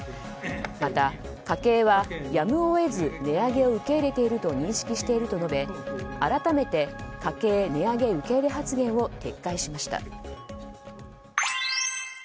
また、家計はやむを得ず値上げを受け入れていると認識していると述べ、改めて家計値上げ受け入れ発言を撤回しました。